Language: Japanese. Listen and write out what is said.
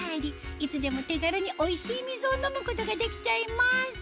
いつでも手軽においしい水を飲むことができちゃいます